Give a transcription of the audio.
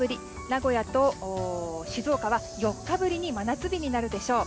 名古屋と静岡は４日ぶりに真夏日になるでしょう。